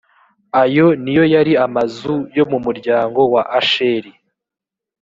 ayo ni yo yari amazu yo mu muryango wa asheri.